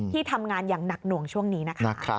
ที่ทำงานอย่างหนักหน่วงช่วงนี้นะคะ